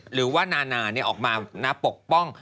หรือว่านานานี่ออกมานะปกป้อง